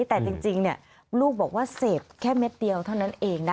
แต่จริงลูกบอกว่าเสพแค่เม็ดเดียวเท่านั้นเองนะ